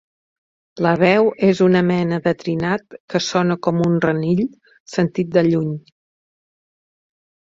La veu és una mena de trinat que sona com un renill sentit de lluny.